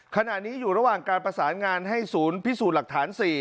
ขณะนี้อยู่ระหว่างการประสานงานให้ศูนย์พิสูจน์หลักฐาน๔